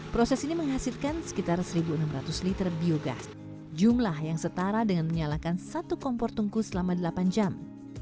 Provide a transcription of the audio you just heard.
proses ini menghasilkan sekitar satu enam ratus liter biogas jumlah yang setara dengan menyalakan satu kompor tungku selama delapan jam